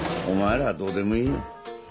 お前らはどうでもいいよ。